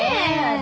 私？